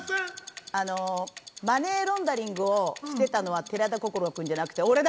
マネーロンダリングをしてたのは寺田心君じゃなくて、俺だ！